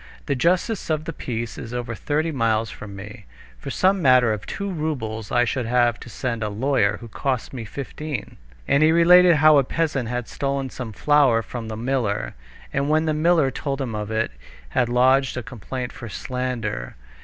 The justice of the peace is over thirty miles from me. For some matter of two roubles I should have to send a lawyer, who costs me fifteen." And he related how a peasant had stolen some flour from the miller, and when the miller told him of it, had lodged a complaint for slander.